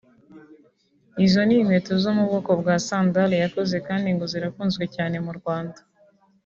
Izo ni inkweto zo mu bwoko bwa sandali yakoze kandi ngo zirakunzwe cyane mu Rwanda